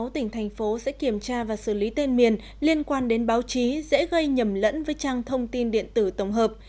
sáu mươi tỉnh thành phố sẽ kiểm tra và xử lý tên miền liên quan đến báo chí dễ gây nhầm lẫn với trang thông tin điện tử tổng hợp